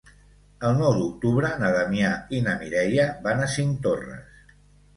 El nou d'octubre na Damià i na Mireia van a Cinctorres.